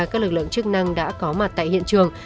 các lực lượng chức năng đã có mặt tại hiện trường